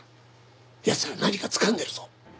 奴ら何かつかんでるぞ。